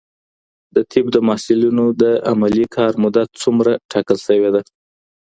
د طب د محصلینو د عملي کار موده څومره ټاکل سوي ده؟